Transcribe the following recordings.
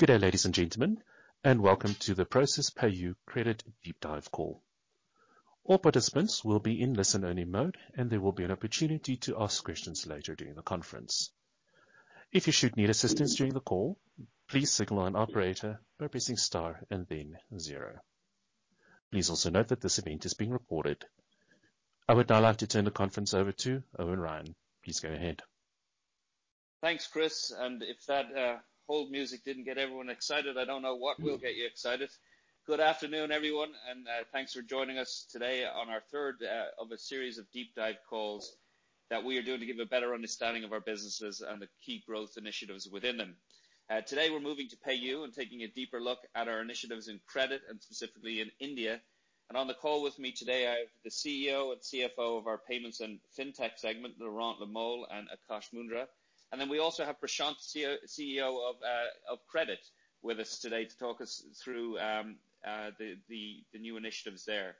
Good day, ladies and gentlemen, and welcome to the Prosus PayU Credit Deep Dive call. All participants will be in listen-only mode, and there will be an opportunity to ask questions later during the conference. If you should need assistance during the call, please signal an operator by pressing star and then zero. Please also note that this event is being recorded. I would now like to turn the conference over to Eoin Ryan. Please go ahead. Thanks, Chris. If that hold music didn't get everyone excited, I don't know what will get you excited. Good afternoon, everyone. Thanks for joining us today on our third of a series of deep dive calls that we are doing to give a better understanding of our businesses and the key growth initiatives within them. Today we're moving to PayU, and taking a deeper look at our initiatives in credit and specifically in India. On the call with me today I have the CEO and CFO of our Payments and Fintech segment, Laurent Le Moal and Aakash Moondhra. Then we also have Prashanth Ranganathan, CEO of credit with us today to talk us through the new initiatives there.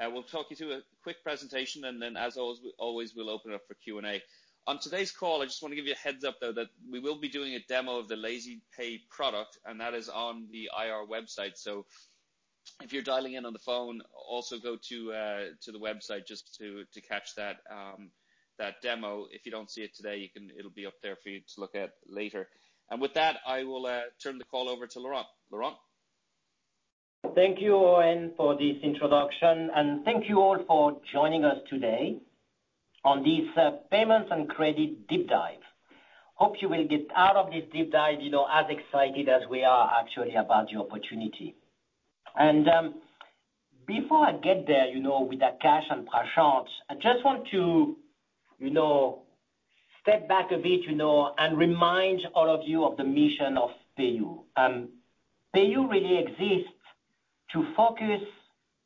We'll talk you through a quick presentation, and then as always we'll open up for Q&A. On today's call, I just wanna give you a heads up, though, that we will be doing a demo of the LazyPay product, and that is on the IR website. So if you're dialing in on the phone, also go to the website just to catch that demo. If you don't see it today, you can. It'll be up there for you to look at later. With that, I will turn the call over to Laurent. Laurent? Thank you, Eoin, for this introduction. Thank you all for joining us today on this payments and credit deep dive. Hope you will get out of this deep dive, you know, as excited as we are actually about the opportunity. Before I get there, you know, with Aakash and Prashanth, I just want to, you know, step back a bit, you know, and remind all of you of the mission of PayU. PayU really exists to focus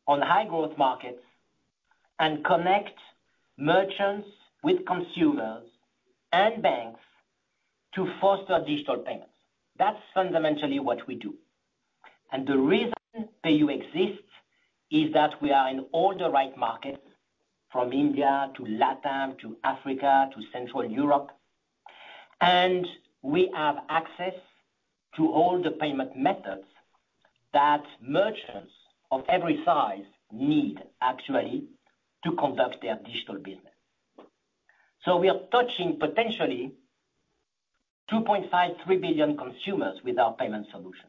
on high growth markets and connect merchants with consumers and banks to foster digital payments. That's fundamentally what we do. The reason PayU exists is that we are in all the right markets, from India to LatAm, to Africa, to Central Europe, and we have access to all the payment methods that merchants of every size need actually to conduct their digital business. We are touching potentially 2.5 billion consumers-3 billion consumers with our payment solution.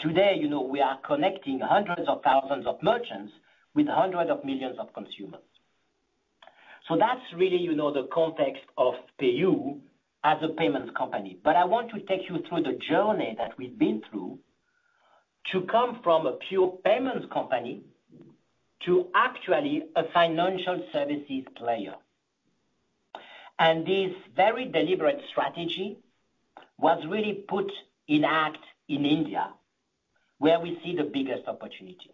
Today, you know, we are connecting hundreds of thousands of merchants with hundreds of millions of consumers. That's really, you know, the context of PayU as a payments company. I want to take you through the journey that we've been through to come from a pure payments company to actually a financial services player. This very deliberate strategy was really put into action in India, where we see the biggest opportunity.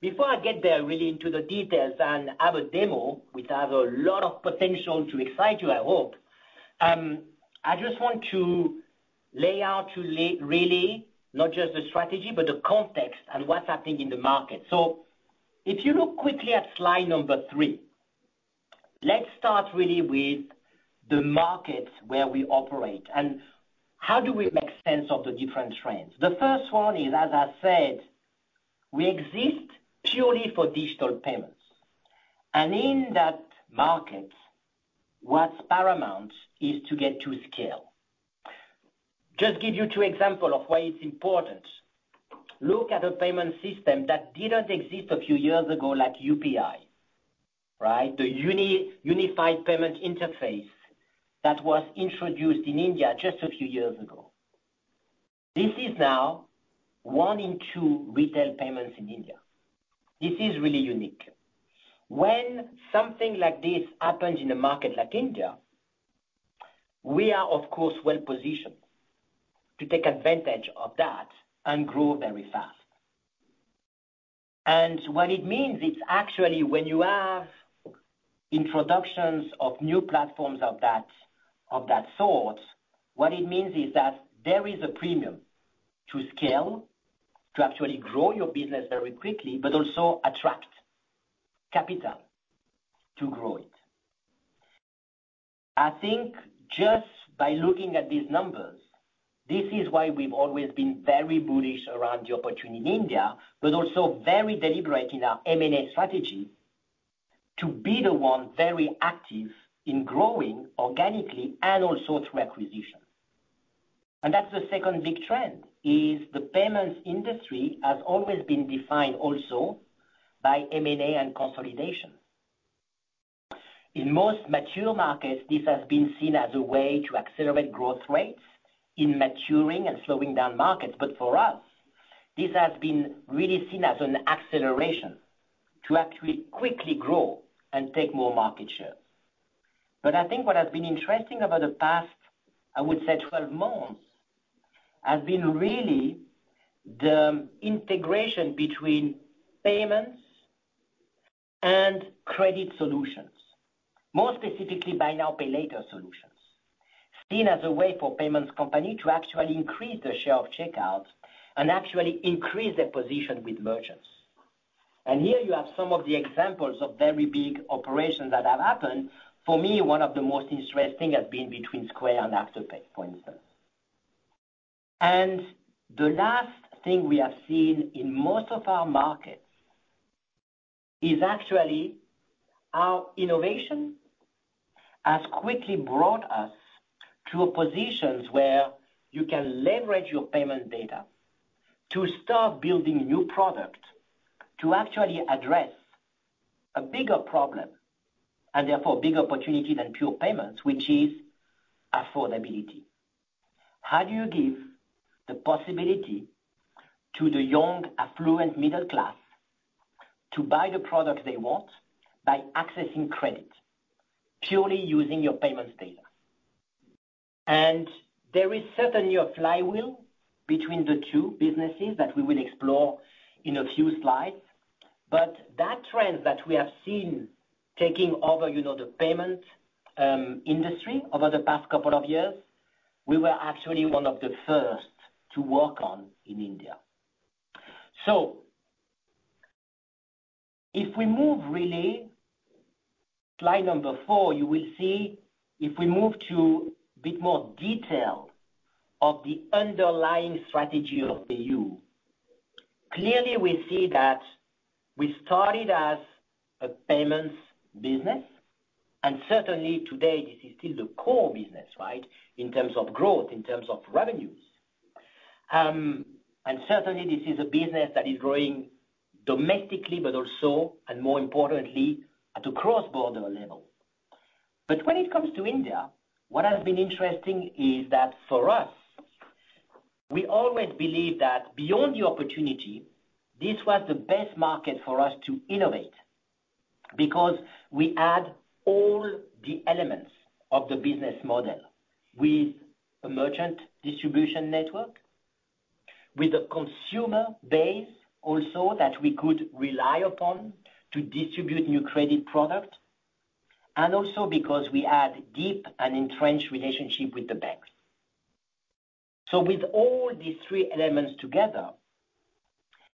Before I get there really into the details and have a demo, which has a lot of potential to excite you, I hope, I just want to lay out really not just the strategy, but the context and what's happening in the market. If you look quickly at slide number three, let's start really with the markets where we operate and how do we make sense of the different trends. The first one is, as I said, we exist purely for digital payments. In that market, what's paramount is to get to scale. Just give you two examples of why it's important. Look at a payment system that didn't exist a few years ago, like UPI, right? The Unified Payments Interface that was introduced in India just a few years ago. This is now one in two retail payments in India. This is really unique. When something like this happens in a market like India, we are of course well-positioned to take advantage of that and grow very fast. What it means is that it's actually when you have introductions of new platforms of that sort, there is a premium to scale to actually grow your business very quickly, but also attract capital to grow it. I think just by looking at these numbers, this is why we've always been very bullish around the opportunity in India, but also very deliberate in our M&A strategy to be the one very active in growing organically and also through acquisition. That's the second big trend. The payments industry has always been defined also by M&A and consolidation. In most mature markets, this has been seen as a way to accelerate growth rates in maturing and slowing down markets. For us, this has been really seen as an acceleration to actually quickly grow and take more market share. I think what has been interesting about the past, I would say 12 months, has been really the integration between payments and credit solutions, more specifically, buy now, pay later solutions. Seen as a way for payments company to actually increase the share of checkouts and actually increase their position with merchants. Here you have some of the examples of very big operations that have happened. For me, one of the most interesting has been between Square and Afterpay, for instance. The last thing we have seen in most of our markets is actually our innovation has quickly brought us to positions where you can leverage your payment data to start building new product to actually address a bigger problem, and therefore bigger opportunity than pure payments, which is affordability. How do you give the possibility to the young affluent middle class to buy the product they want by accessing credit purely using your payments data? There is certainly a flywheel between the two businesses that we will explore in a few slides. That trend that we have seen taking over, you know, the payment industry over the past couple of years, we were actually one of the first to work on in India. If we move to slide number four, you will see a bit more detail of the underlying strategy of PayU. Clearly, we see that we started as a payments business, and certainly today this is still the core business, right? In terms of growth, in terms of revenues. Certainly this is a business that is growing domestically, but also, and more importantly, at a cross-border level. When it comes to India, what has been interesting is that for us, we always believe that beyond the opportunity, this was the best market for us to innovate because we add all the elements of the business model with a merchant distribution network, with a consumer base also that we could rely upon to distribute new credit product, and also because we had deep and entrenched relationship with the banks. With all these three elements together,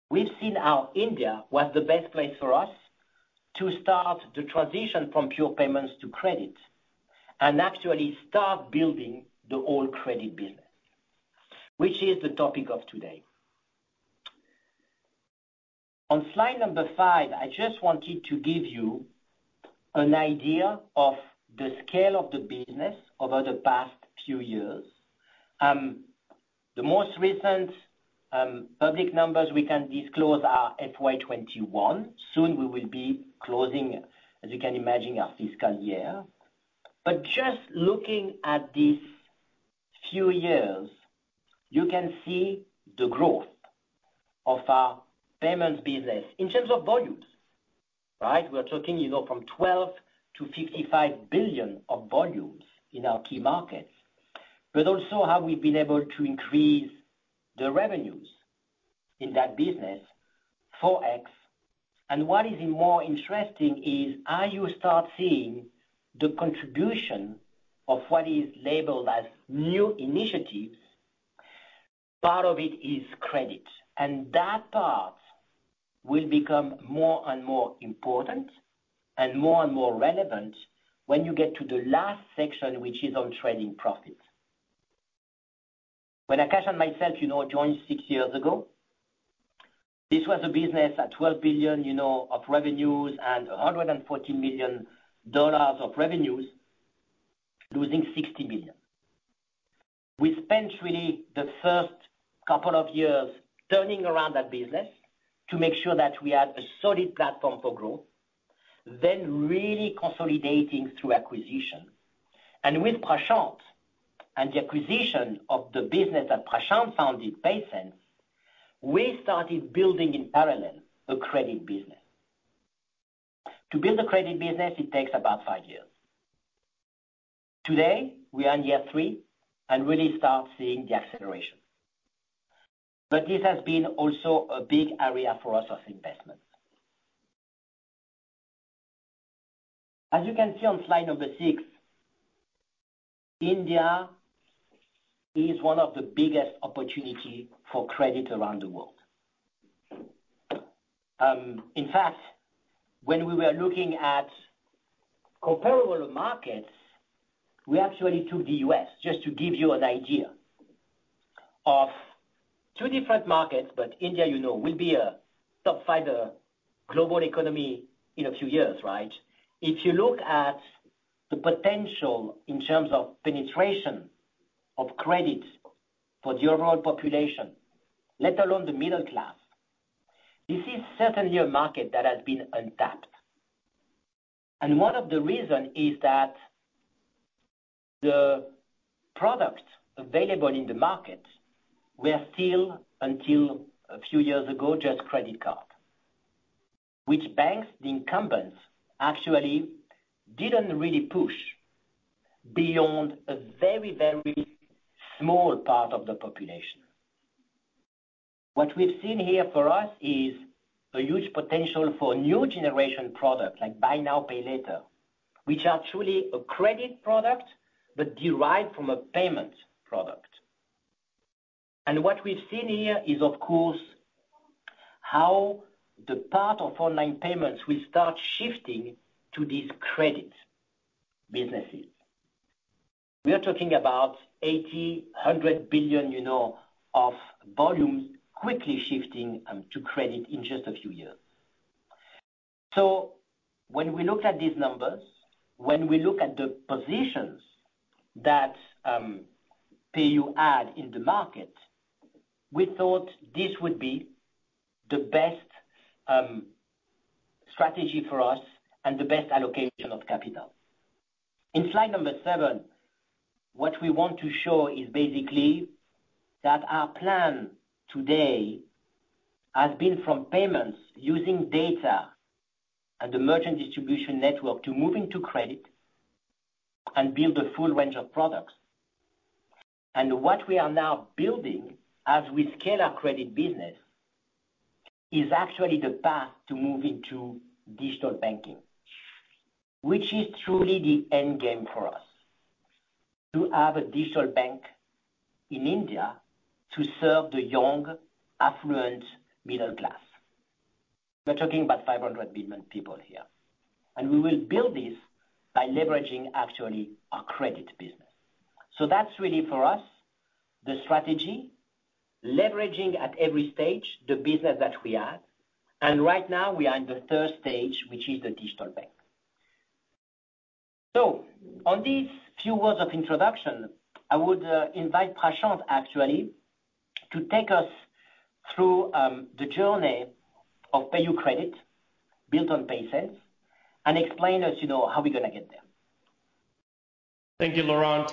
we've seen how India was the best place for us to start the transition from pure payments to credit and actually start building the whole credit business, which is the topic of today. On slide number five, I just wanted to give you an idea of the scale of the business over the past few years. The most recent public numbers we can disclose are FY 2021. Soon we will be closing, as you can imagine, our fiscal year. Just looking at these few years, you can see the growth of our payments business in terms of volumes, right? We're talking, you know, from $12 billion to $55 billion of volumes in our key markets. Also how we've been able to increase the revenues in that business, 4x. What is even more interesting is how you start seeing the contribution of what is labeled as new initiatives. Part of it is credit, and that part will become more and more important and more and more relevant when you get to the last section, which is on trading profit. When Aakash and myself, you know, joined six years ago, this was a business at $12 billion, you know, of revenues and $140 million of revenues, losing $60 million. We spent really the first couple of years turning around that business to make sure that we had a solid platform for growth, then really consolidating through acquisition. With Prashanth and the acquisition of the business that Prashanth founded, PaySense, we started building in parallel a credit business. To build a credit business, it takes about five years. Today, we are in year three and really start seeing the acceleration. This has been also a big area for us of investment. As you can see on slide number six, India is one of the biggest opportunity for credit around the world. In fact, when we were looking at comparable markets, we actually took the U.S., just to give you an idea of two different markets, but India, you know, will be a top five global economy in a few years, right? If you look at the potential in terms of penetration of credit for the overall population, let alone the middle class, this is certainly a market that has been untapped. One of the reason is that the products available in the market were still, until a few years ago, just credit card, which banks, the incumbents, actually didn't really push beyond a very, very small part of the population. What we've seen here for us is a huge potential for new generation products like buy now, pay later, which are truly a credit product, but derived from a payment product. What we've seen here is, of course, how the part of online payments will start shifting to these credit businesses. We are talking about $80-100 billion, you know, of volumes quickly shifting to credit in just a few years. When we look at these numbers and the positions that PayU had in the market, we thought this would be the best strategy for us and the best allocation of capital. In slide number seven, what we want to show is basically that our plan today has been from payments using data and the merchant distribution network to move into credit and build a full range of products. What we are now building as we scale our credit business is actually the path to move into digital banking, which is truly the end game for us, to have a digital bank in India to serve the young, affluent middle class. We're talking about 500 million people here. We will build this by leveraging actually our credit business. That's really for us, the strategy, leveraging at every stage the business that we have. Right now we are in the third stage, which is the digital bank. On these few words of introduction, I would invite Prashanth actually to take us through the journey of PayU Credit built on PaySense and explain us, you know, how we're gonna get there. Thank you, Laurent.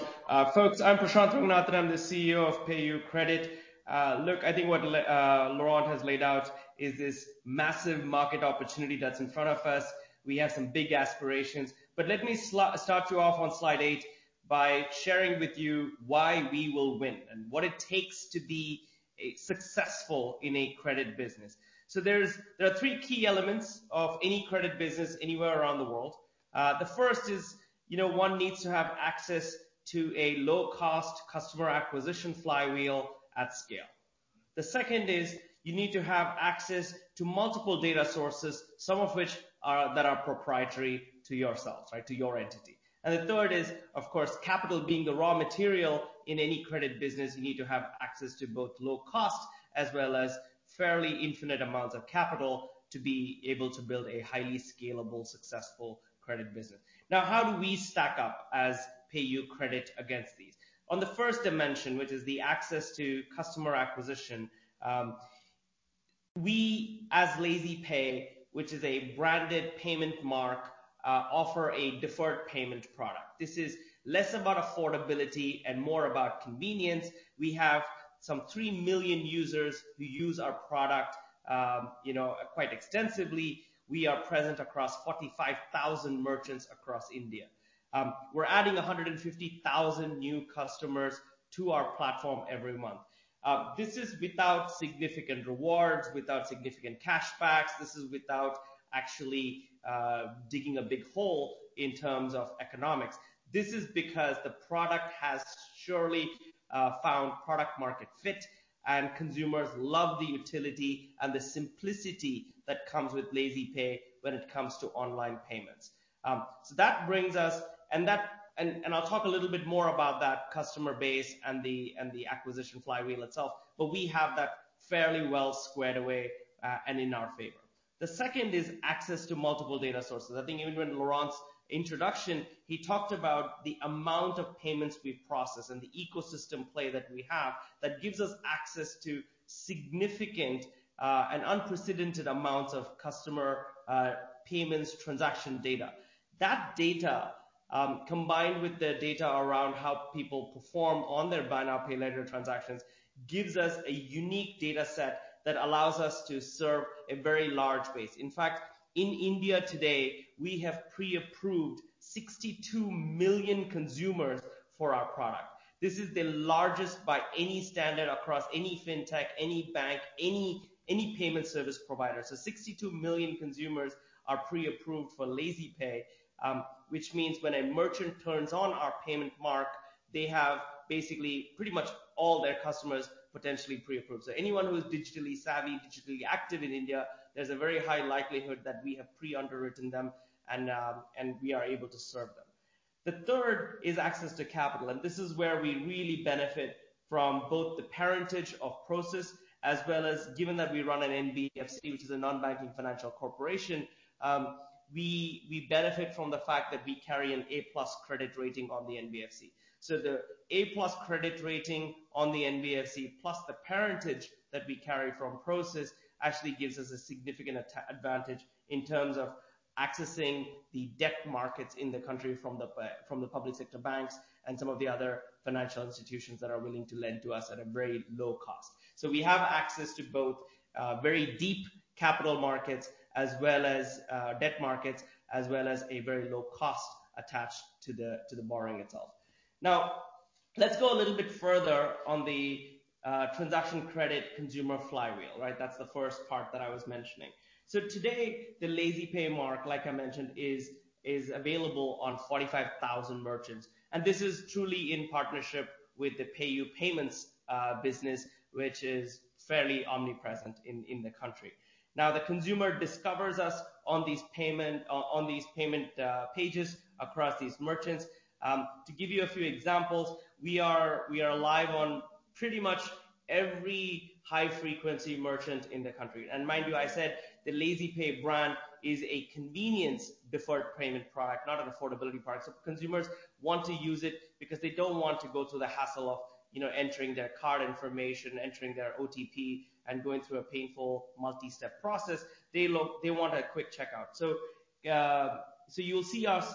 Folks, I'm Prashanth Ranganathan. I'm the CEO of PayU Credit. Look, I think what Laurent has laid out is this massive market opportunity that's in front of us. We have some big aspirations. Let me start you off on slide eight by sharing with you why we will win and what it takes to be successful in a credit business. There are three key elements of any credit business anywhere around the world. The first is, you know, one needs to have access to a low-cost customer acquisition flywheel at scale. The second is, you need to have access to multiple data sources, some of which are that are proprietary to yourselves or to your entity. The third is, of course, capital being the raw material in any credit business, you need to have access to both low cost as well as fairly infinite amounts of capital to be able to build a highly scalable, successful credit business. Now, how do we stack up as PayU Credit against these? On the first dimension, which is the access to customer acquisition, we as LazyPay, which is a branded payment method, offer a deferred payment product. This is less about affordability and more about convenience. We have some 3 million users who use our product, you know, quite extensively. We are present across 45,000 merchants across India. We're adding 150,000 new customers to our platform every month. This is without significant rewards, without significant cash backs. This is without actually digging a big hole in terms of economics. This is because the product has surely found product market fit, and consumers love the utility and the simplicity that comes with LazyPay when it comes to online payments. That brings us. I'll talk a little bit more about that customer base and the acquisition flywheel itself. We have that fairly well squared away and in our favor. The second is access to multiple data sources. I think even in Laurent's introduction, he talked about the amount of payments we process and the ecosystem play that we have that gives us access to significant and unprecedented amounts of customer payments transaction data. That data, combined with the data around how people perform on their buy now, pay later transactions, gives us a unique dataset that allows us to serve a very large base. In fact, in India today, we have pre-approved 62 million consumers for our product. This is the largest by any standard across any fintech, any bank, any payment service provider. 62 million consumers are pre-approved for LazyPay, which means when a merchant turns on our payment mark, they have basically pretty much all their customers potentially pre-approved. Anyone who is digitally savvy, digitally active in India, there's a very high likelihood that we have pre-underwritten them and we are able to serve them. The third is access to capital, and this is where we really benefit from both the parentage of Prosus as well as given that we run an NBFC, which is a non-banking financial corporation, we benefit from the fact that we carry an A+ credit rating on the NBFC. The A+ credit rating on the NBFC plus the parentage that we carry from Prosus actually gives us a significant advantage in terms of accessing the debt markets in the country from the public sector banks and some of the other financial institutions that are willing to lend to us at a very low cost. We have access to both very deep capital markets as well as debt markets, as well as a very low cost attached to the borrowing itself. Now, let's go a little bit further on the transaction credit consumer flywheel, right? That's the first part that I was mentioning. Today, the LazyPay mark, like I mentioned, is available on 45,000 merchants. And this is truly in partnership with the PayU payments business, which is fairly omnipresent in the country. Now, the consumer discovers us on these payment pages across these merchants. To give you a few examples, we are live on pretty much every high-frequency merchant in the country. And mind you, I said the LazyPay brand is a convenience deferred payment product, not an affordability product. Consumers want to use it because they don't want to go through the hassle of, you know, entering their card information, entering their OTP, and going through a painful multi-step process. They want a quick checkout. You'll see us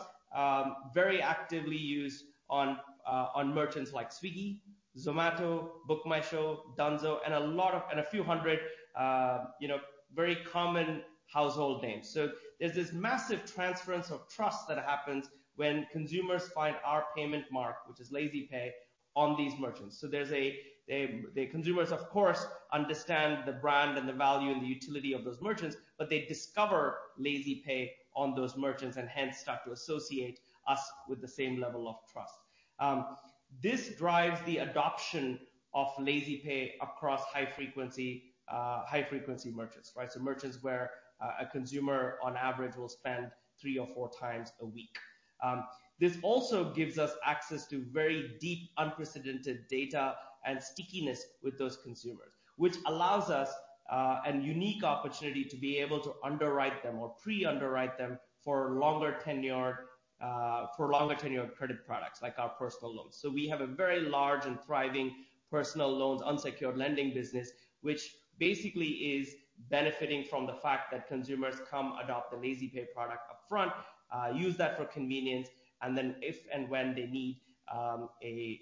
very actively used on merchants like Swiggy, Zomato, BookMyShow, Dunzo, and a few hundred you know very common household names. There's this massive transference of trust that happens when consumers find our payment mark, which is LazyPay, on these merchants. The consumers, of course, understand the brand and the value and the utility of those merchants, but they discover LazyPay on those merchants and hence start to associate us with the same level of trust. This drives the adoption of LazyPay across high-frequency merchants, right? Merchants where a consumer on average will spend 3x or 4x a week. This also gives us access to very deep, unprecedented data and stickiness with those consumers, which allows us a unique opportunity to be able to underwrite them or pre-underwrite them for longer tenure credit products like our personal loans. We have a very large and thriving personal loans, unsecured lending business, which basically is benefiting from the fact that consumers come adopt the LazyPay product upfront, use that for convenience, and then if and when they need a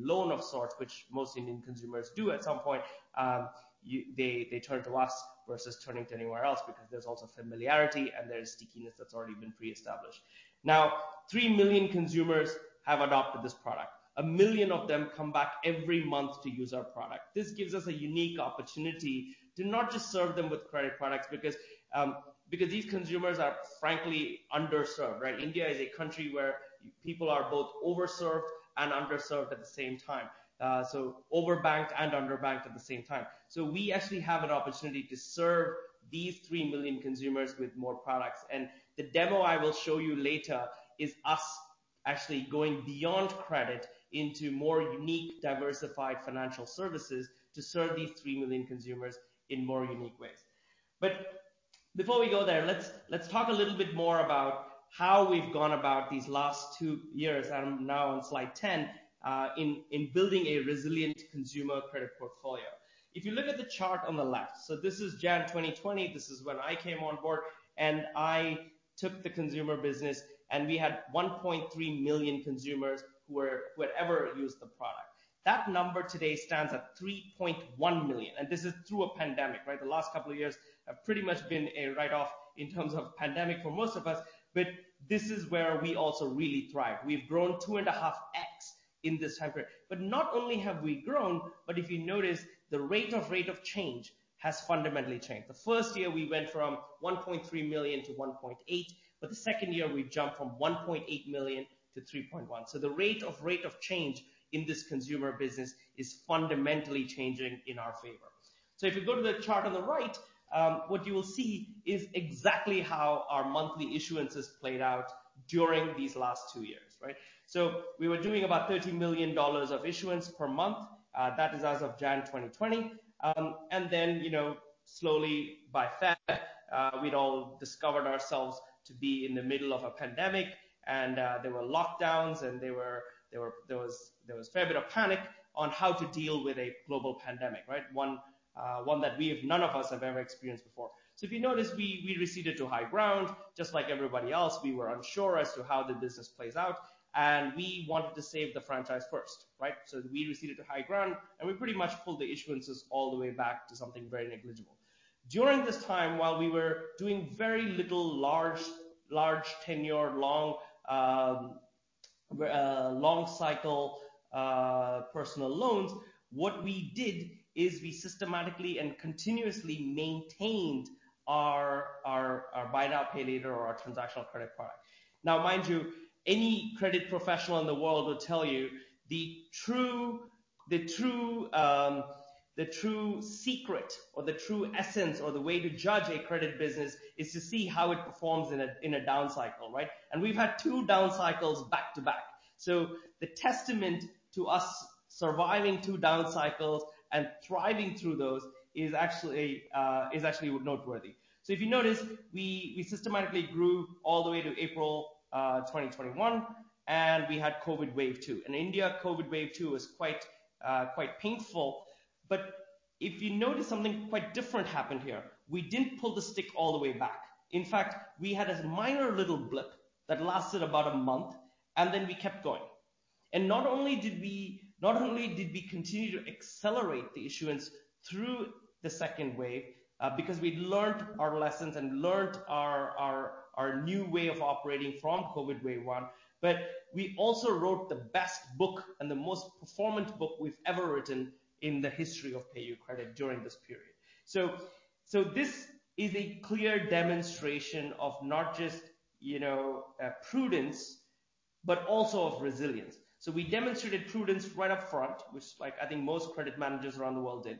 loan of sorts, which most Indian consumers do at some point, they turn to us versus turning to anywhere else because there's also familiarity and there's stickiness that's already been pre-established. Now, 3 million consumers have adopted this product. 1 million of them come back every month to use our product. This gives us a unique opportunity to not just serve them with credit products because these consumers are frankly underserved, right? India is a country where people are both over-served and under-served at the same time. Over-banked and under-banked at the same time. We actually have an opportunity to serve these 3 million consumers with more products. The demo I will show you later is us actually going beyond credit into more unique, diversified financial services to serve these 3 million consumers in more unique ways. Before we go there, let's talk a little bit more about how we've gone about these last two years, and now on slide 10 in building a resilient consumer credit portfolio. If you look at the chart on the left, so this is January 2020. This is when I came on board, and I took the consumer business, and we had 1.3 million consumers who had ever used the product. That number today stands at 3.1 million, and this is through a pandemic, right? The last couple of years have pretty much been a write-off in terms of pandemic for most of us, but this is where we also really thrive. We've grown 2.5x in this time frame. Not only have we grown, but if you notice, the rate of change has fundamentally changed. The first year we went from 1.3 million to 1.8 million, but the second year we jumped from 1.8 million to 3.1. The rate of change in this consumer business is fundamentally changing in our favor. If you go to the chart on the right, what you will see is exactly how our monthly issuance has played out during these last two years, right? We were doing about $13 million of issuance per month. That is as of January 2020. And then, you know, slowly by February, we'd all discovered ourselves to be in the middle of a pandemic, and there were lockdowns, and there was fair bit of panic on how to deal with a global pandemic, right? One that none of us have ever experienced before. If you notice, we receded to high ground just like everybody else. We were unsure as to how the business plays out, and we wanted to save the franchise first, right? We receded to high ground, and we pretty much pulled the issuances all the way back to something very negligible. During this time, while we were doing very little large tenure long cycle personal loans, what we did is we systematically and continuously maintained our buy now, pay later or our transactional credit product. Now, mind you, any credit professional in the world will tell you the true secret or the true essence or the way to judge a credit business is to see how it performs in a down cycle, right? We've had two down cycles back to back. The testament to us surviving two down cycles and thriving through those is actually noteworthy. If you notice, we systematically grew all the way to April 2021, and we had COVID wave two. In India, COVID wave two was quite painful. If you notice, something quite different happened here. We didn't pull the stick all the way back. In fact, we had a minor little blip that lasted about a month, and then we kept going. Not only did we continue to accelerate the issuance through the second wave, because we'd learnt our lessons and learnt our new way of operating from COVID wave one, but we also wrote the best book and the most performant book we've ever written in the history of PayU Credit during this period. This is a clear demonstration of not just, you know, prudence, but also of resilience. We demonstrated prudence right up front, which, like, I think most credit managers around the world did.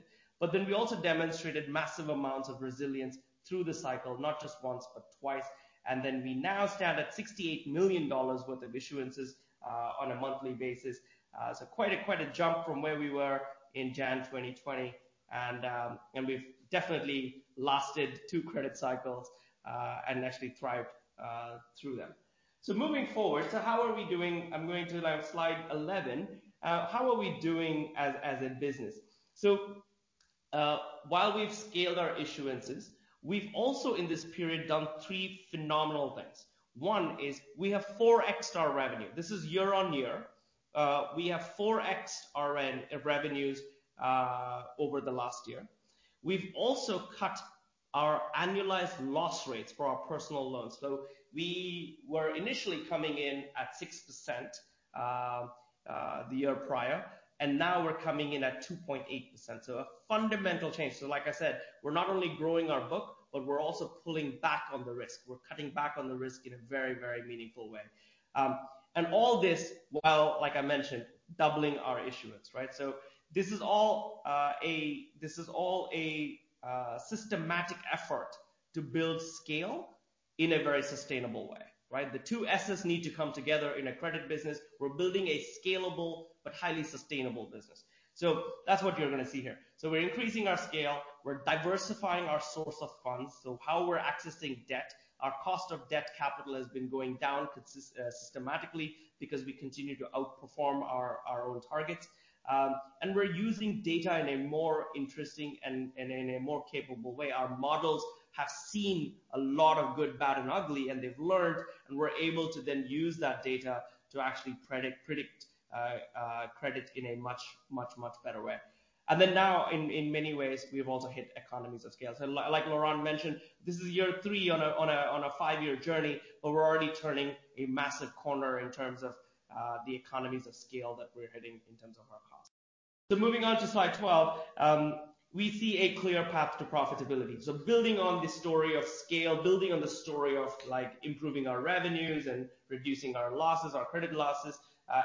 Then we also demonstrated massive amounts of resilience through the cycle, not just once but twice. Then we now stand at $68 million worth of issuances on a monthly basis. Quite a jump from where we were in January 2020. We've definitely lasted two credit cycles and actually thrived through them. Moving forward, how are we doing? I'm going to slide 11. How are we doing as a business? While we've scaled our issuances, we've also, in this period, done three phenomenal things. One is we have 4x'd our revenue. This is year-on-year. We have 4x'd our end of revenues over the last year. We've also cut our annualized loss rates for our personal loans. We were initially coming in at 6% the year prior, and now we're coming in at 2.8%. A fundamental change. Like I said, we're not only growing our book, but we're also pulling back on the risk. We're cutting back on the risk in a very, very meaningful way. All this while, like I mentioned, doubling our issuance, right? This is all a systematic effort to build scale in a very sustainable way, right? The two S's need to come together in a credit business. We're building a scalable but highly sustainable business. That's what you're gonna see here. We're increasing our scale. We're diversifying our source of funds. How we're accessing debt, our cost of debt capital has been going down consistently systematically because we continue to outperform our own targets. We're using data in a more interesting and in a more capable way. Our models have seen a lot of good, bad, and ugly, and they've learned, and we're able to then use that data to actually predict credit in a much better way. Then now, in many ways, we've also hit economies of scale. Like Laurent mentioned, this is year three on a five-year journey, but we're already turning a massive corner in terms of the economies of scale that we're hitting in terms of our costs. Moving on to slide 12, we see a clear path to profitability. Building on the story of scale, building on the story of, like, improving our revenues and reducing our losses, our credit losses,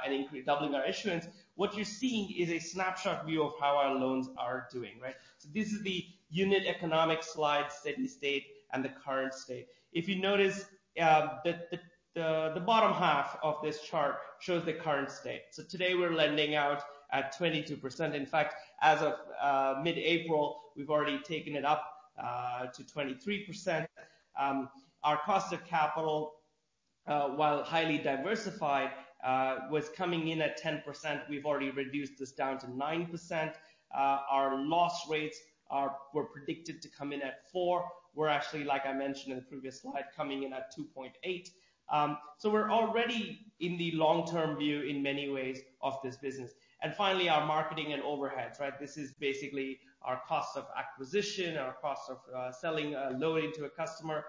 and doubling our issuance, what you're seeing is a snapshot view of how our loans are doing, right? This is the unit economics slide, steady state, and the current state. If you notice, the bottom half of this chart shows the current state. Today we're lending out at 22%. In fact, as of mid-April, we've already taken it up to 23%. Our cost of capital, while highly diversified, was coming in at 10%. We've already reduced this down to 9%. Our loss rates were predicted to come in at 4%. We're actually, like I mentioned in the previous slide, coming in at 2.8%. We're already in the long-term view in many ways of this business. Finally, our marketing and overheads, right? This is basically our cost of acquisition, our cost of selling a loan into a customer.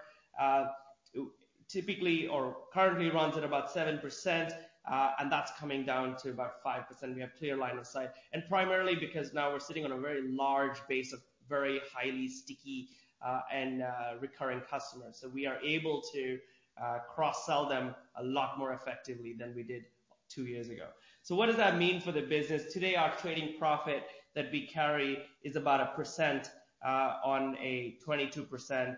Typically or currently runs at about 7%, and that's coming down to about 5%. We have clear line of sight. Primarily because now we're sitting on a very large base of very highly sticky and recurring customers. We are able to cross-sell them a lot more effectively than we did two years ago. What does that mean for the business? Today, our trading profit that we carry is about 1% on a 22%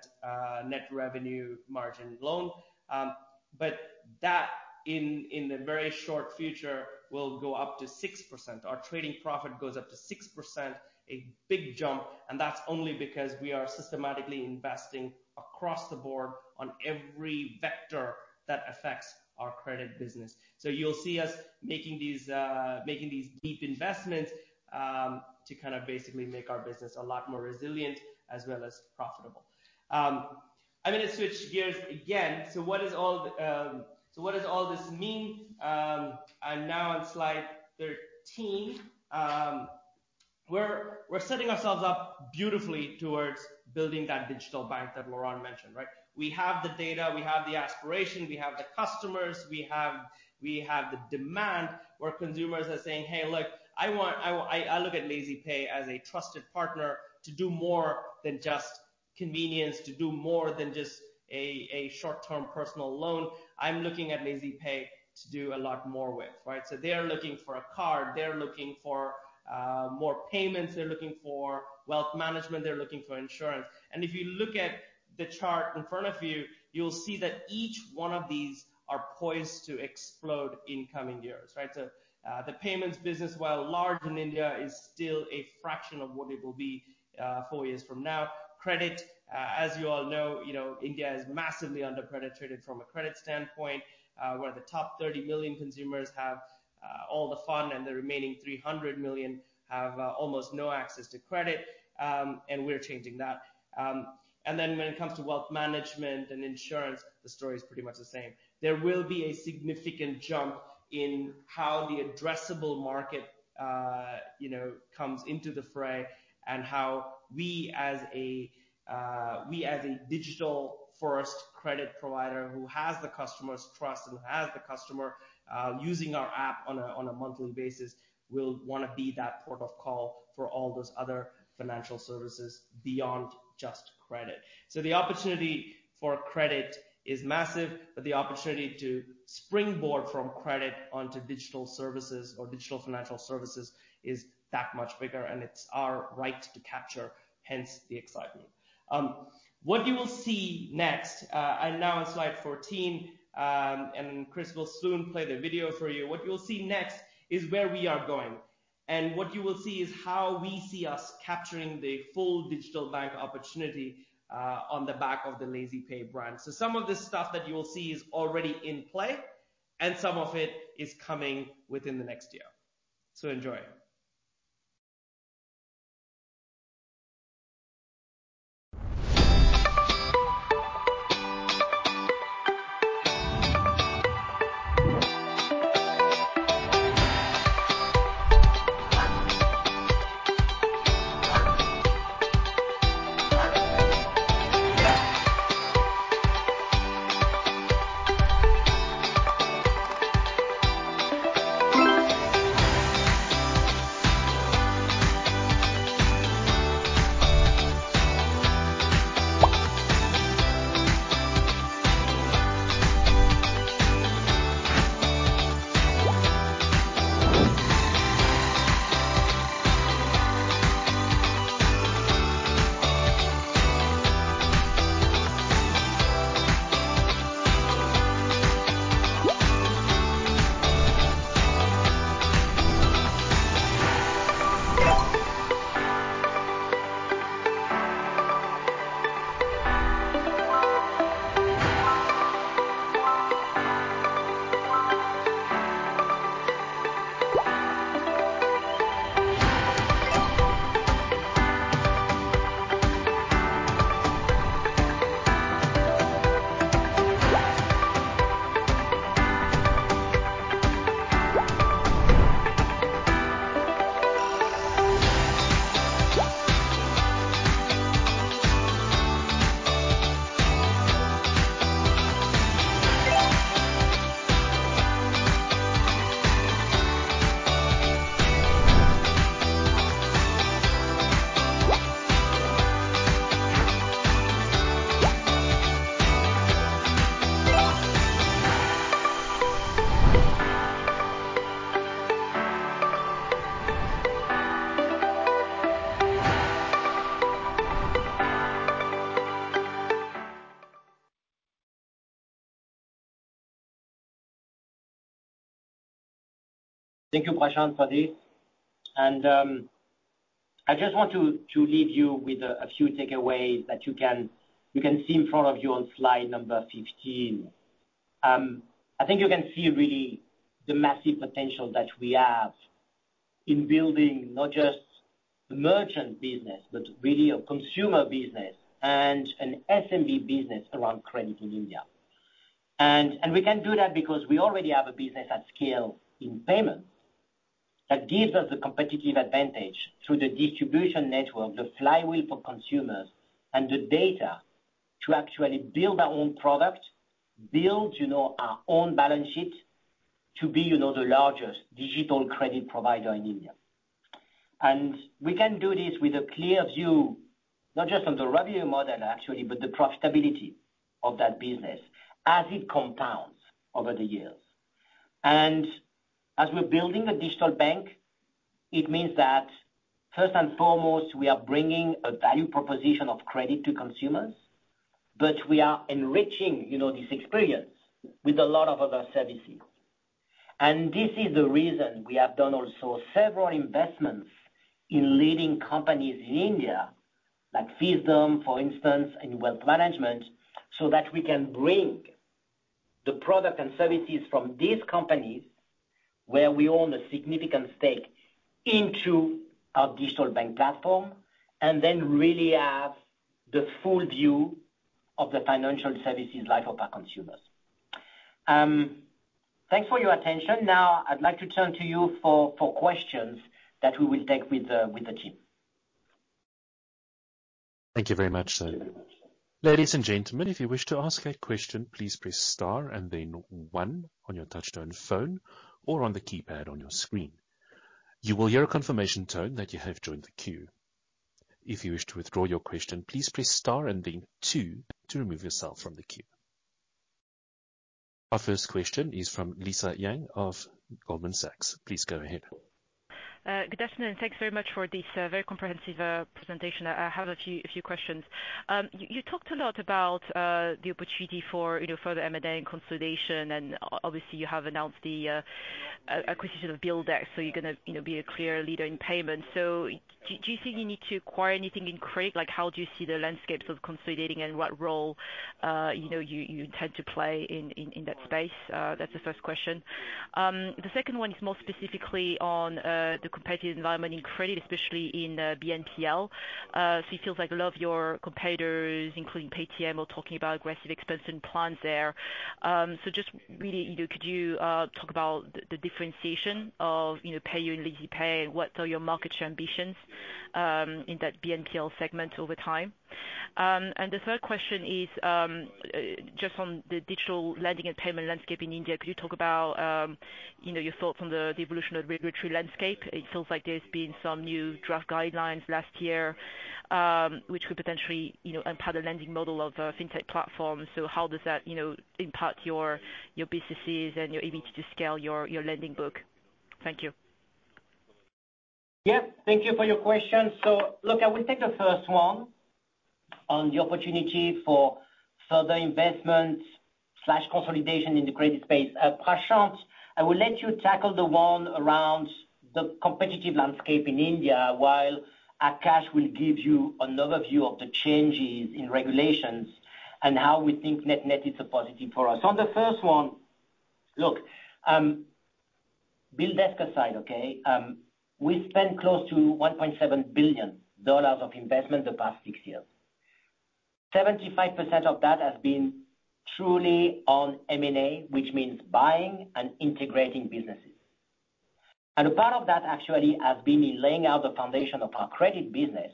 net revenue margin loan. That in the very short future will go up to 6%. Our trading profit goes up to 6%, a big jump, and that's only because we are systematically investing across the board on every vector that affects our credit business. You'll see us making these deep investments to kind of basically make our business a lot more resilient as well as profitable. I'm gonna switch gears again. What does all this mean? I'm now on slide 13. We're setting ourselves up beautifully towards building that digital bank that Laurent mentioned, right? We have the data, we have the aspiration, we have the customers, we have the demand where consumers are saying, "Hey, look, I want. I look at LazyPay as a trusted partner to do more than just convenience, to do more than just a short-term personal loan. I'm looking at LazyPay to do a lot more with." Right? They are looking for a card. They're looking for more payments. They're looking for wealth management. They're looking for insurance. If you look at the chart in front of you'll see that each one of these are poised to explode in coming years, right? The payments business, while large in India, is still a fraction of what it will be four years from now. Credit, as you all know, you know, India is massively under-penetrated from a credit standpoint, where the top 30 million consumers have all the fun and the remaining 300 million have almost no access to credit, and we're changing that. When it comes to wealth management and insurance, the story is pretty much the same. There will be a significant jump in how the addressable market, you know, comes into the fray and how we as a digital first credit provider who has the customer's trust and who has the customer using our app on a monthly basis, will wanna be that port of call for all those other financial services beyond just credit. The opportunity for credit is massive, but the opportunity to springboard from credit onto digital services or digital financial services is that much bigger, and it's our right to capture, hence the excitement. What you will see next, and now in slide 14, and Chris will soon play the video for you. What you'll see next is where we are going, and what you will see is how we see us capturing the full digital bank opportunity, on the back of the LazyPay brand. Some of the stuff that you will see is already in play and some of it is coming within the next year. Enjoy. Thank you, Prashant, for this. I just want to leave you with a few takeaways that you can see in front of you on slide number 15. I think you can see really the massive potential that we have in building not just the merchant business, but really a consumer business and an SMB business around credit in India. We can do that because we already have a business at scale in payments that gives us the competitive advantage through the distribution network, the flywheel for consumers and the data to actually build our own product, you know, our own balance sheet to be, you know, the largest digital credit provider in India. We can do this with a clear view, not just on the revenue model, actually, but the profitability of that business as it compounds over the years. As we're building a digital bank, it means that first and foremost, we are bringing a value proposition of credit to consumers, but we are enriching, you know, this experience with a lot of other services. This is the reason we have done also several investments in leading companies in India, like Fisdom, for instance, in wealth management, so that we can bring the product and services from these companies, where we own a significant stake, into our digital bank platform, and then really have the full view of the financial services life of our consumers. Thanks for your attention. Now I'd like to turn to you for questions that we will take with the team. Thank you very much, sir. Ladies and gentlemen, if you wish to ask a question, please press star and then one on your touchtone phone or on the keypad on your screen. You will hear a confirmation tone that you have joined the queue. If you wish to withdraw your question, please press star and then two to remove yourself from the queue. Our first question is from Lisa Yang of Goldman Sachs. Please go ahead. Good afternoon. Thanks very much for this very comprehensive presentation. I have a few questions. You talked a lot about the opportunity for, you know, further M&A consolidation, and obviously, you have announced the acquisition of BillDesk, so you're gonna, you know, be a clear leader in payments. Do you think you need to acquire anything in credit? Like, how do you see the landscape sort of consolidating and what role, you know, you intend to play in that space? That's the first question. The second one is more specifically on the competitive environment in credit, especially in BNPL. It feels like a lot of your competitors, including Paytm, are talking about aggressive expansion plans there. Just really, you know, could you talk about the differentiation of, you know, PayU and LazyPay? What are your market share ambitions in that BNPL segment over time? The third question is just on the digital lending and payment landscape in India. Could you talk about your thoughts on the evolution of regulatory landscape? It feels like there's been some new draft guidelines last year, which could potentially, you know, impact the lending model of fintech platforms. How does that impact your businesses and your ability to scale your lending book? Thank you. Yeah, thank you for your question. Look, I will take the first one on the opportunity for further investment slash consolidation in the credit space. Prashanth, I will let you tackle the one around the competitive landscape in India, while Aakash will give you another view of the changes in regulations and how we think net-net it's a positive for us. On the first one, look, BillDesk aside, okay? We spent close to $1.7 billion of investment the past six years. 75% of that has been truly on M&A, which means buying and integrating businesses. A part of that actually has been in laying out the foundation of our credit business,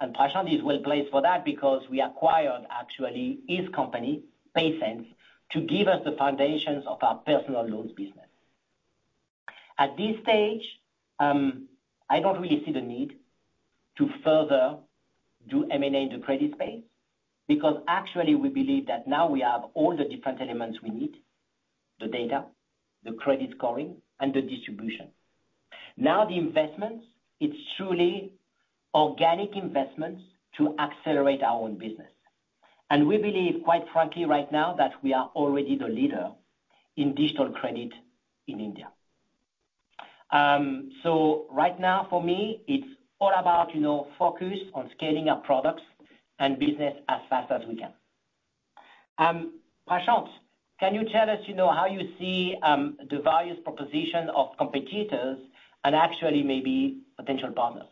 and Prashanth is well-placed for that because we acquired actually his company, PaySense, to give us the foundations of our personal loans business. At this stage, I don't really see the need to further do M&A in the credit space because actually we believe that now we have all the different elements we need, the data, the credit scoring and the distribution. Now the investments, it's truly organic investments to accelerate our own business. We believe, quite frankly, right now, that we are already the leader in digital credit in India. Right now, for me, it's all about, you know, focus on scaling our products and business as fast as we can. Prashant, can you tell us, you know, how you see the various proposition of competitors and actually maybe potential partners?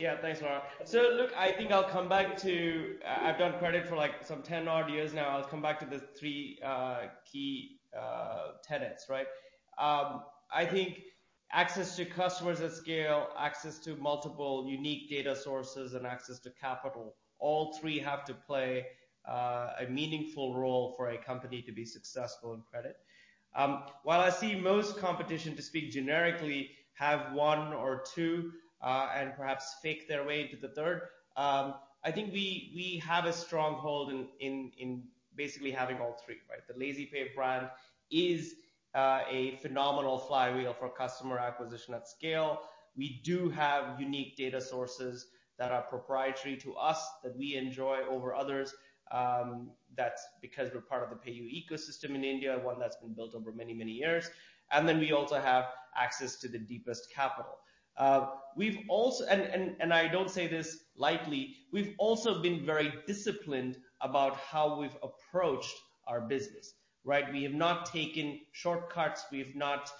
Yeah. Thanks, Laurent. Look, I think I'll come back to it. I've done credit for, like, some 10-odd years now. I'll come back to the three key tenets, right? I think access to customers at scale, access to multiple unique data sources and access to capital, all three have to play a meaningful role for a company to be successful in credit. While I see most competition to speak generically, have one or two, and perhaps fake their way into the third, I think we have a stronghold in basically having all three, right? The LazyPay brand is a phenomenal flywheel for customer acquisition at scale. We do have unique data sources that are proprietary to us that we enjoy over others, that's because we're part of the PayU ecosystem in India, one that's been built over many, many years. We also have access to the deepest capital. I don't say this lightly, we've also been very disciplined about how we've approached our business, right? We have not taken shortcuts. We've not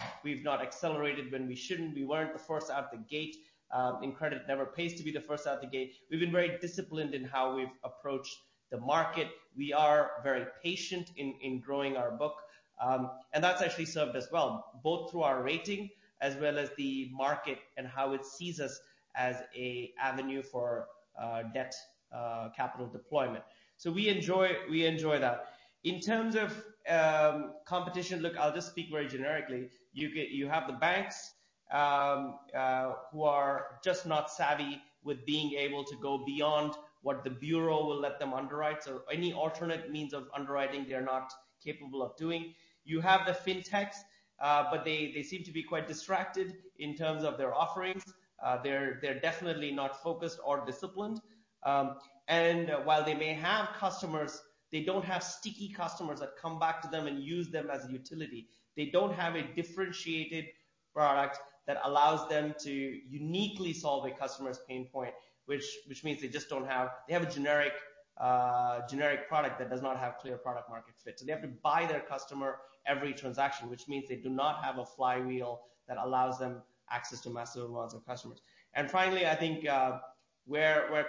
accelerated when we shouldn't. We weren't the first out the gate, and credit never pays to be the first out the gate. We've been very disciplined in how we've approached the market. We are very patient in growing our book, and that's actually served us well, both through our rating as well as the market and how it sees us as a avenue for debt capital deployment. We enjoy that. In terms of competition, look, I'll just speak very generically. You have the banks who are just not savvy with being able to go beyond what the bureau will let them underwrite. Any alternate means of underwriting they are not capable of doing. You have the fintechs, but they seem to be quite distracted in terms of their offerings. They're definitely not focused or disciplined. While they may have customers, they don't have sticky customers that come back to them and use them as a utility. They don't have a differentiated product that allows them to uniquely solve a customer's pain point, which means they just don't have. They have a generic product that does not have clear product market fit. They have to buy their customer every transaction, which means they do not have a flywheel that allows them access to massive amounts of customers. Finally, I think, where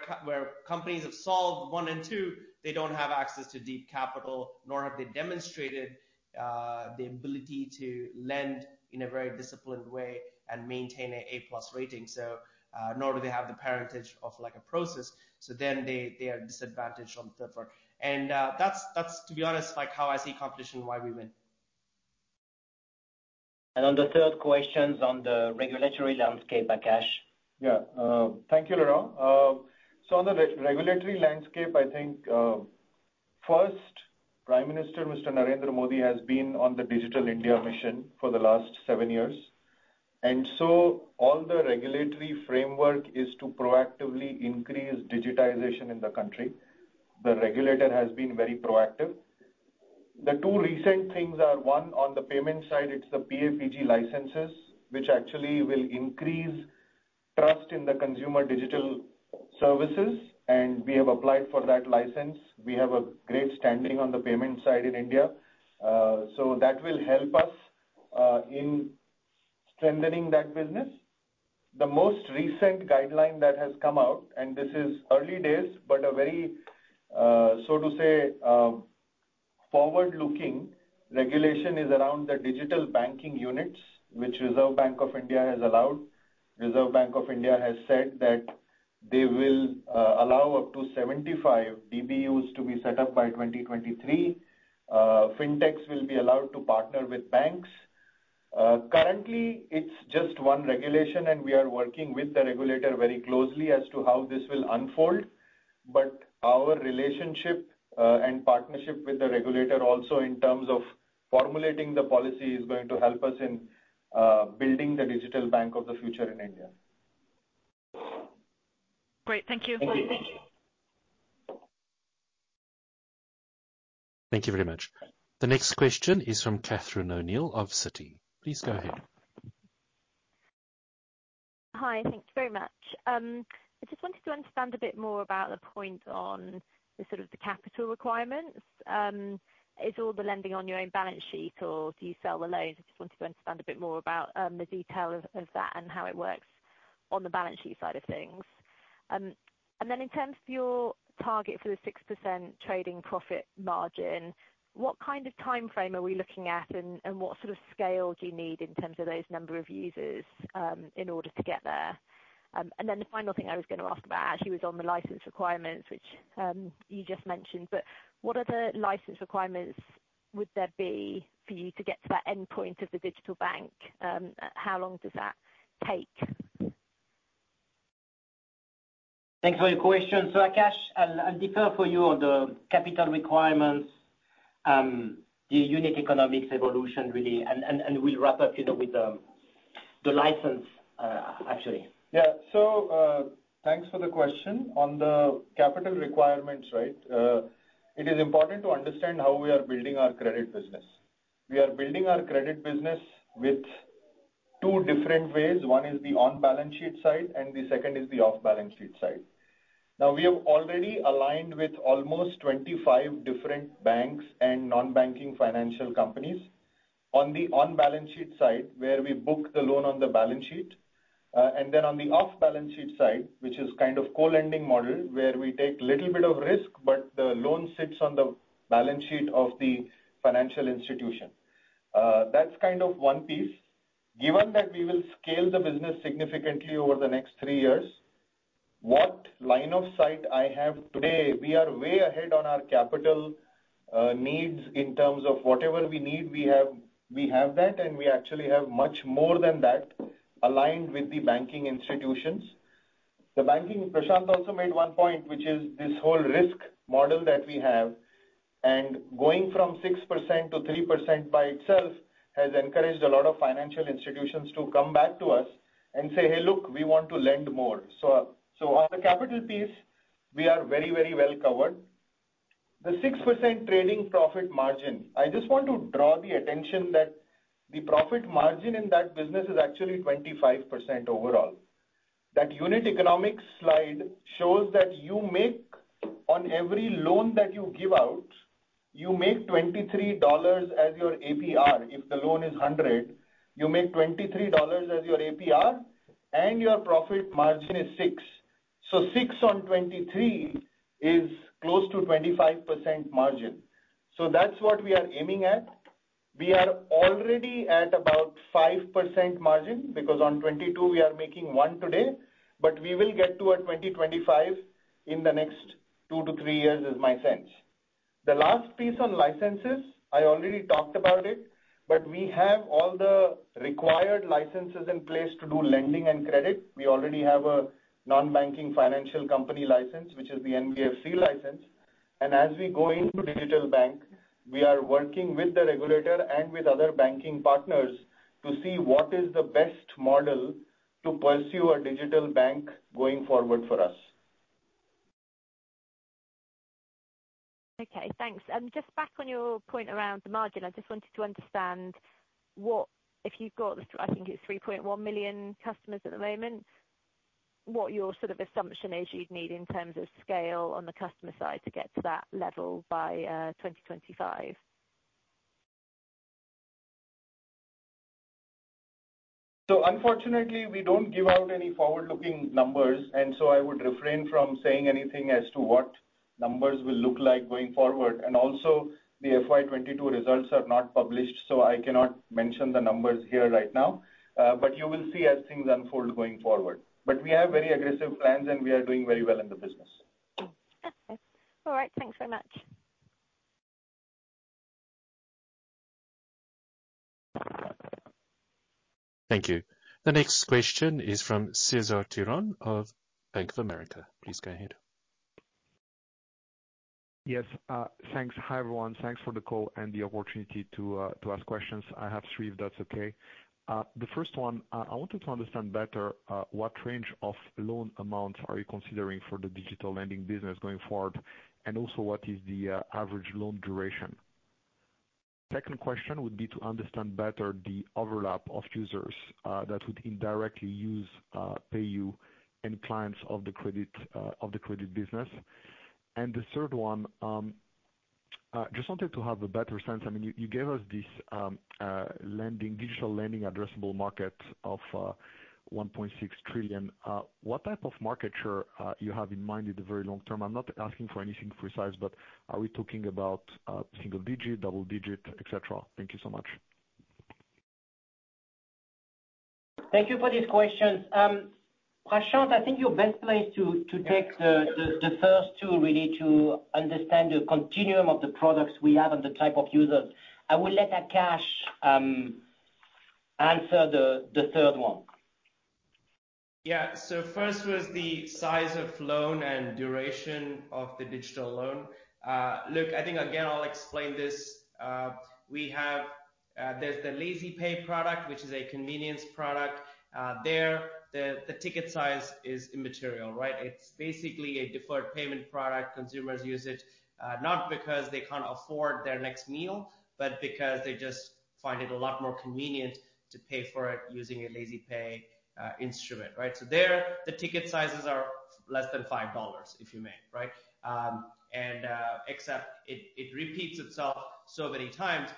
companies have solved one and two, they don't have access to deep capital, nor have they demonstrated the ability to lend in a very disciplined way and maintain an A+ rating. Nor do they have the parentage of, like, Prosus. They are disadvantaged on the third. That's, to be honest, like how I see competition and why we win. On the third question, on the regulatory landscape, Aakash? Yeah. Thank you, Laurent. So on the regulatory landscape, I think, first, Prime Minister Narendra Modi has been on the Digital India mission for the last seven years. All the regulatory framework is to proactively increase digitization in the country. The regulator has been very proactive. The two recent things are, one, on the payment side, it's the PA/PG licenses, which actually will increase trust in the consumer digital services, and we have applied for that license. We have a great standing on the payment side in India. That will help us in strengthening that business. The most recent guideline that has come out, and this is early days, but a very, so to say, forward-looking regulation is around the digital banking units, which Reserve Bank of India has allowed. Reserve Bank of India has said that they will allow up to 75 DBUs to be set up by 2023. Fintechs will be allowed to partner with banks. Currently it's just one regulation, and we are working with the regulator very closely as to how this will unfold. Our relationship and partnership with the regulator also in terms of formulating the policy is going to help us in building the digital bank of the future in India. Great. Thank you. Thank you. Thank you very much. The next question is from Catherine O'Neill of Citi. Please go ahead. Hi, thank you very much. I just wanted to understand a bit more about the point on the sort of the capital requirements. Is all the lending on your own balance sheet or do you sell the loans? I just wanted to understand a bit more about the detail of that and how it works on the balance sheet side of things. In terms of your target for the 6% trading profit margin, what kind of timeframe are we looking at and what sort of scale do you need in terms of those number of users in order to get there? The final thing I was gonna ask about actually was on the license requirements, which you just mentioned, but what other license requirements would there be for you to get to that endpoint of the digital bank? How long does that take? Thanks for your question. Aakash, I'll defer for you on the capital requirements, the unit economics evolution really, and we'll wrap up, you know, with the license, actually. Yeah, thanks for the question. On the capital requirements, right? It is important to understand how we are building our credit business. We are building our credit business with two different ways. One is the on-balance sheet side, and the second is the off-balance sheet side. Now, we have already aligned with almost 25 different banks and non-banking financial companies on the on-balance sheet side, where we book the loan on the balance sheet. On the off-balance sheet side, which is kind of co-lending model, where we take little bit of risk, but the loan sits on the balance sheet of the financial institution. That's kind of one piece. Given that we will scale the business significantly over the next three years, what line of sight I have today, we are way ahead on our capital needs in terms of whatever we need, we have that, and we actually have much more than that aligned with the banking institutions. The banking, Prashanth also made one point, which is this whole risk model that we have, and going from 6% to 3% by itself has encouraged a lot of financial institutions to come back to us and say, "Hey, look, we want to lend more." So on the capital piece, we are very, very well covered. The 6% trading profit margin. I just want to draw the attention that the profit margin in that business is actually 25% overall. That unit economics slide shows that you make, on every loan that you give out, you make $23 as your APR. If the loan is $100, you make $23 as your APR, and your profit margin is 6%. 6% on $23 is close to 25% margin. That's what we are aiming at. We are already at about 5% margin because on $22 we are making $1 today, but we will get towards 25% in the next two to three years is my sense. The last piece on licenses, I already talked about it, but we have all the required licenses in place to do lending and credit. We already have a non-banking financial company license, which is the NBFC license. As we go into digital bank, we are working with the regulator and with other banking partners to see what is the best model to pursue a digital bank going forward for us. Okay, thanks. Just back on your point around the margin. I just wanted to understand what, if you've got, I think it's 3.1 million customers at the moment, what your sort of assumption is you'd need in terms of scale on the customer side to get to that level by 2025. Unfortunately, we don't give out any forward-looking numbers, and so I would refrain from saying anything as to what numbers will look like going forward. Also the FY 2022 results are not published, so I cannot mention the numbers here right now. You will see as things unfold going forward. We have very aggressive plans, and we are doing very well in the business. Okay. All right. Thanks very much. Thank you. The next question is from Cesar Tiron of Bank of America. Please go ahead. Yes. Thanks. Hi, everyone. Thanks for the call and the opportunity to ask questions. I have three, if that's okay. The first one, I wanted to understand better, what range of loan amounts are you considering for the digital lending business going forward? And also what is the average loan duration? Second question would be to understand better the overlap of users, that would indirectly use PayU and clients of the credit business. And the third one, just wanted to have a better sense. I mean, you gave us this digital lending addressable market of 1.6 trillion. What type of market share you have in mind in the very long term? I'm not asking for anything precise, but are we talking about single digit, double digit, et cetera? Thank you so much. Thank you for these questions. Prashant, I think you're best placed to take the first two really to understand the continuum of the products we have and the type of users. I will let Aakash, answer the third one. Yeah. First was the size of loan and duration of the digital loan. Look, I think again I'll explain this. We have the LazyPay product, which is a convenience product. There, the ticket size is immaterial, right? It's basically a deferred payment product. Consumers use it not because they can't afford their next meal, but because they just find it a lot more convenient to pay for it using a LazyPay instrument, right? There, the ticket sizes are less than $5, if you may, right? And it repeats itself so many times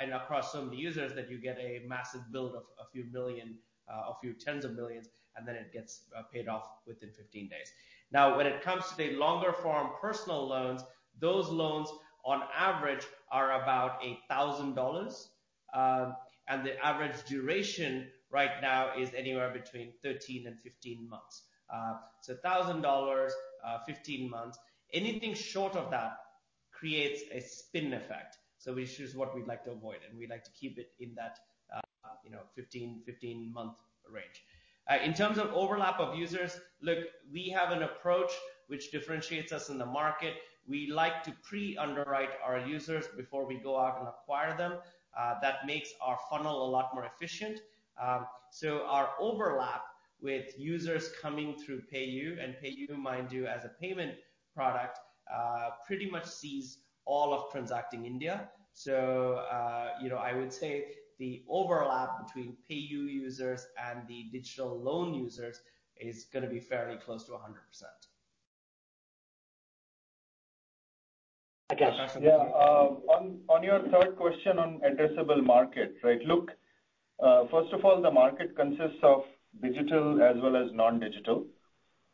and across some of the users that you get a massive build of a few billion, a few tens of millions, and then it gets paid off within 15 days. Now, when it comes to the longer form personal loans, those loans on average are about $1,000, and the average duration right now is anywhere between 13 months and 15 months. $1,000, 15 months. Anything short of that creates a spin effect. Which is what we'd like to avoid, and we'd like to keep it in that, you know, 15-month range. In terms of overlap of users, look, we have an approach which differentiates us in the market. We like to pre-underwrite our users before we go out and acquire them. That makes our funnel a lot more efficient. Our overlap with users coming through PayU, and PayU mind you, as a payment product, pretty much sees all transactions in India. You know, I would say the overlap between PayU users and the digital loan users is gonna be fairly close to 100%. Akash? Yeah. On your third question on addressable market, right? Look, first of all, the market consists of digital as well as non-digital,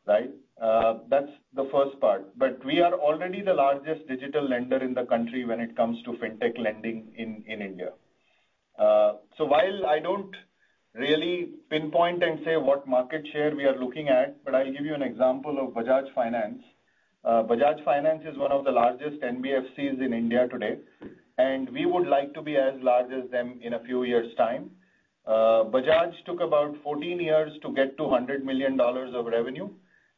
right? That's the first part. We are already the largest digital lender in the country when it comes to fintech lending in India. While I don't really pinpoint and say what market share we are looking at, I'll give you an example of Bajaj Finance. Bajaj Finance is one of the largest NBFCs in India today, and we would like to be as large as them in a few years time. Bajaj took about 14 years to get to $100 million of revenue,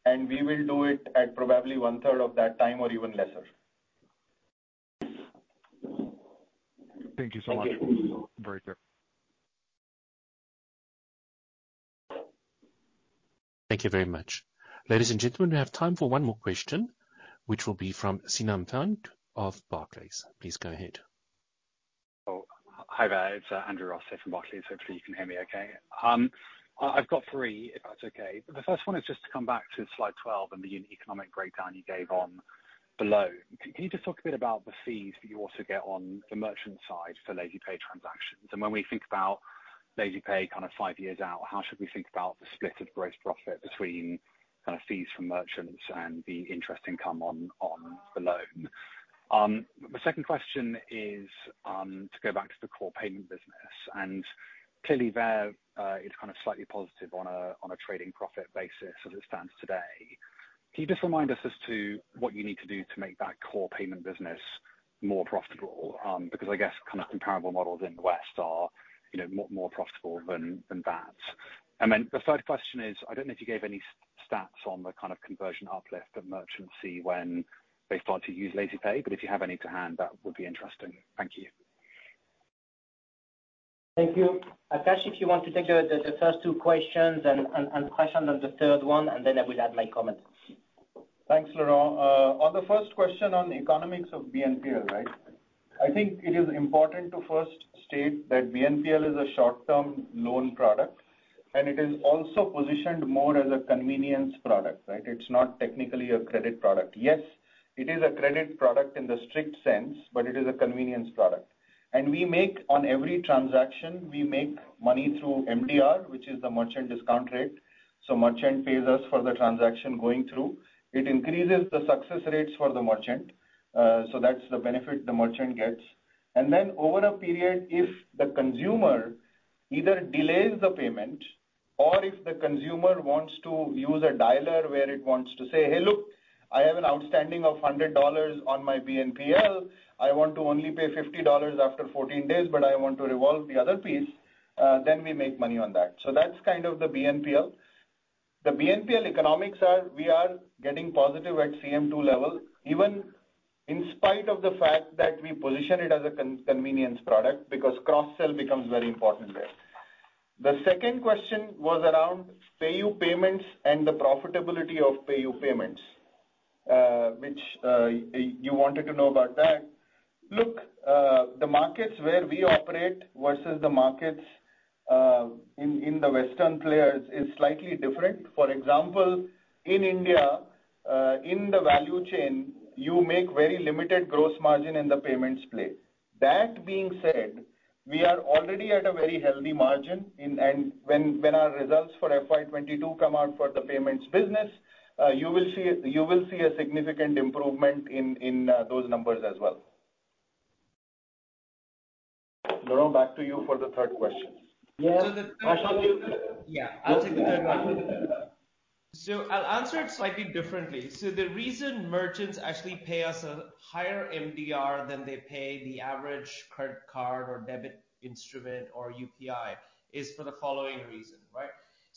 and we will do it at probably 1/3 of that time or even lesser. Thank you so much. Very clear. Thank you very much. Ladies and gentlemen, we have time for one more question, which will be from Seenam Khan of Barclays. Please go ahead. Oh, hi there. It's Andrew Ross here from Barclays. Hopefully you can hear me okay. I've got three if that's okay. The first one is just to come back to slide 12 and the unit economic breakdown you gave on the loan. Can you just talk a bit about the fees that you also get on the merchant side for LazyPay transactions? When we think about LazyPay kind of five years out, how should we think about the split of gross profit between kind of fees from merchants and the interest income on the loan? My second question is to go back to the core payment business. Clearly there, it's kind of slightly positive on a trading profit basis as it stands today. Can you just remind us as to what you need to do to make that core payment business more profitable? Because I guess kind of comparable models in the West are, you know, more profitable than that. Then the third question is, I don't know if you gave any stats on the kind of conversion uplift that merchants see when they start to use LazyPay, but if you have any to hand, that would be interesting. Thank you. Thank you. Aakash, if you want to take the first two questions and Prashanth on the third one, and then I will add my comment. Thanks, Laurent. On the first question on the economics of BNPL, right? I think it is important to first state that BNPL is a short-term loan product, and it is also positioned more as a convenience product, right? It's not technically a credit product. Yes, it is a credit product in the strict sense, but it is a convenience product. We make money on every transaction through MDR, which is the merchant discount rate. Merchant pays us for the transaction going through. It increases the success rates for the merchant. That's the benefit the merchant gets. Then over a period, if the consumer either delays the payment or if the consumer wants to use a dialer where it wants to say, "Hey, look, I have an outstanding of $100 on my BNPL. I want to only pay $50 after 14 days, but I want to revolve the other piece, then we make money on that. So that's kind of the BNPL. The BNPL economics are, we are getting positive at CM 2 level, even in spite of the fact that we position it as a convenience product, because cross-sell becomes very important there. The second question was around PayU payments and the profitability of PayU payments, which you wanted to know about that. Look, the markets where we operate versus the markets in the Western players is slightly different. For example, in India, in the value chain, you make very limited gross margin in the payments play. That being said, we are already at a very healthy margin in When our results for FY 2022 come out for the payments business, you will see a significant improvement in those numbers as well. Laurent, back to you for the third question. Yeah. Akash you- Yeah. I'll take the third one. I'll answer it slightly differently. The reason merchants actually pay us a higher MDR than they pay the average credit card or debit instrument or UPI is for the following reason, right?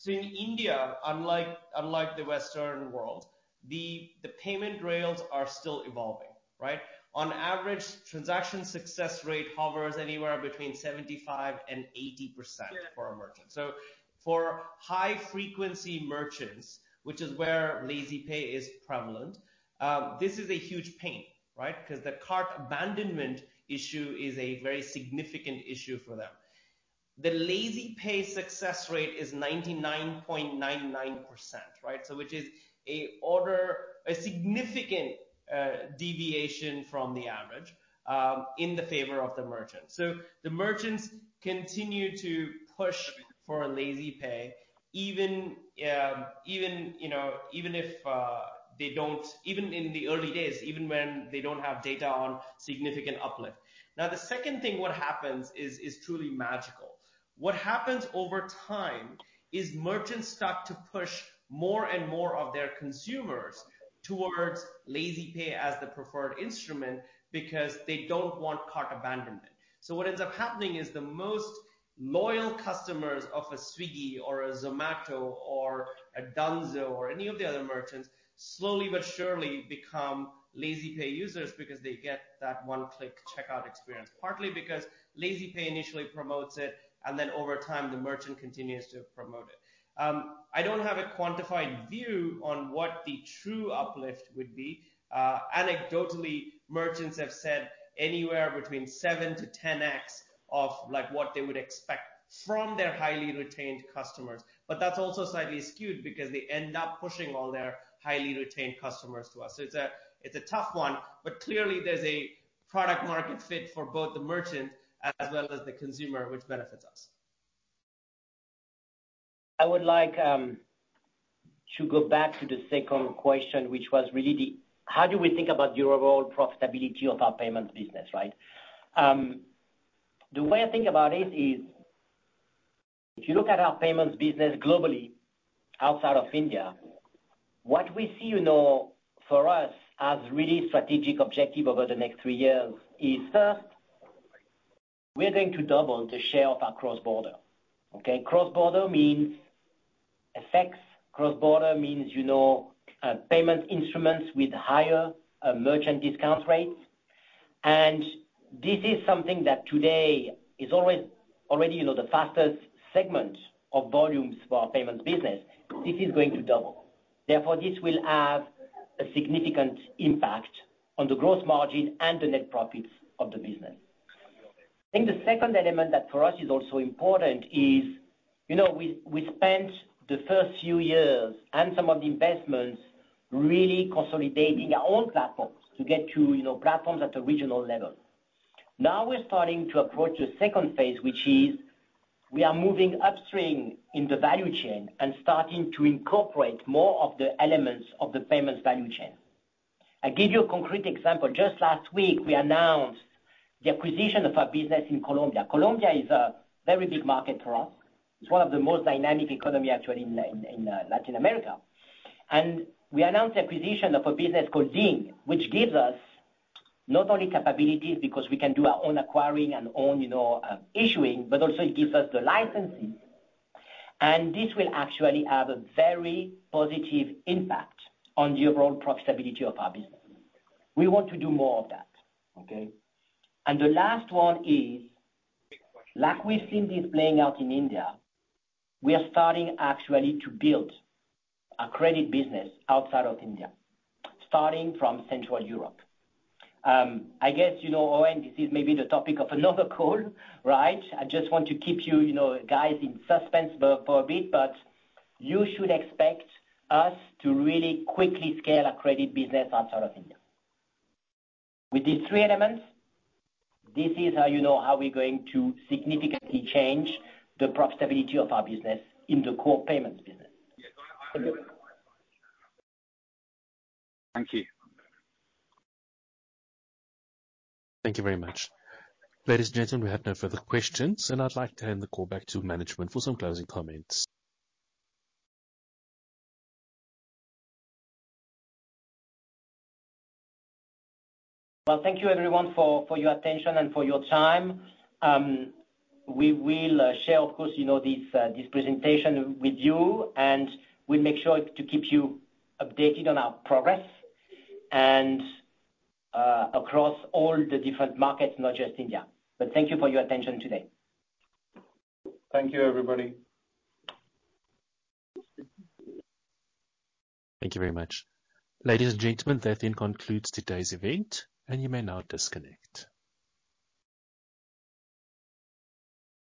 In India, unlike the Western world, the payment rails are still evolving, right? On average, transaction success rate hovers anywhere between 75% and 80%. Sure. For our merchants. For high-frequency merchants, which is where LazyPay is prevalent, this is a huge pain, right? 'Cause the cart abandonment issue is a very significant issue for them. The LazyPay success rate is 99.99%, right? Which is a significant deviation from the average in the favor of the merchant. The merchants continue to push for LazyPay even in the early days, even when they don't have data on significant uplift. Now, the second thing that happens is truly magical. What happens over time is merchants start to push more and more of their consumers towards LazyPay as the preferred instrument because they don't want cart abandonment. What ends up happening is the most loyal customers of a Swiggy or a Zomato or a Dunzo or any of the other merchants slowly but surely become LazyPay users because they get that one-click checkout experience. Partly because LazyPay initially promotes it, and then over time the merchant continues to promote it. I don't have a quantified view on what the true uplift would be. Anecdotally, merchants have said anywhere between 7x-10x of like what they would expect from their highly retained customers. That's also slightly skewed because they end up pushing all their highly retained customers to us. It's a tough one, but clearly there's a product market fit for both the merchant as well as the consumer which benefits us. I would like to go back to the second question which was really the, how do we think about the overall profitability of our payments business, right? The way I think about it is if you look at our payments business globally outside of India, what we see, you know, for us as really strategic objective over the next three years is, first, we're going to double the share of our cross-border, okay? Cross-border means FX. Cross-border means, you know, payments instruments with higher merchant discount rates. This is something that today is already, you know, the fastest segment of volumes for our payments business. This is going to double. Therefore, this will have a significant impact on the gross margin and the net profits of the business. I think the second element that for us is also important is, you know, we spent the first few years and some of the investments really consolidating our own platforms to get to, you know, platforms at a regional level. Now we're starting to approach a second phase, which is we are moving upstream in the value chain and starting to incorporate more of the elements of the payments value chain. I give you a concrete example. Just last week we announced the acquisition of a business in Colombia. Colombia is a very big market for us. It's one of the most dynamic economy actually in Latin America. We announced acquisition of a business called Ding, which gives us not only capabilities because we can do our own acquiring and own, you know, issuing, but also it gives us the licensing. This will actually have a very positive impact on the overall profitability of our business. We want to do more of that, okay? The last one is, like we've seen this playing out in India, we are starting actually to build a credit business outside of India, starting from Central Europe. I guess, you know, Eoin, this is maybe the topic of another call, right? I just want to keep you know, guys in suspense for a bit. You should expect us to really quickly scale our credit business outside of India. With these three elements, this is how, you know, how we're going to significantly change the profitability of our business in the core payments business. Thank you. Thank you very much. Ladies and gentlemen, we have no further questions, and I'd like to hand the call back to management for some closing comments. Well, thank you everyone for your attention and for your time. We will share of course, you know, this presentation with you. We'll make sure to keep you updated on our progress and across all the different markets, not just India. Thank you for your attention today. Thank you everybody. Thank you very much. Ladies and gentlemen, that then concludes today's event, and you may now disconnect.